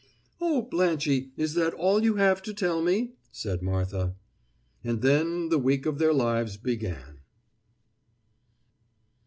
"Oh, Blanchie, is that all you have to tell me?" said Martha. And then the week of their lives began.